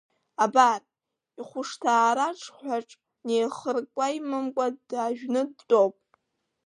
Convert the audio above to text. Абар, ихәышҭаара аҽҳәаҿ, неихыркәа имамкәа дажәны дтәоуп.